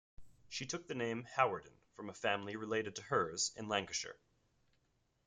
She took the name Hawarden from a family related to hers in Lancashire.